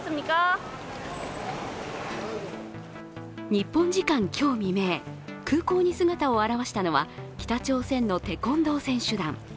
日本時間今日未明、空港に姿を現したのは北朝鮮のテコンドー選手団。